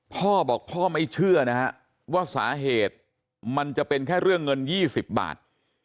พ่อบอกพ่อไม่เชื่อนะฮะว่าสาเหตุมันจะเป็นแค่เรื่องเงิน๒๐บาท